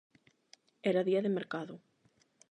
Era día de mercado.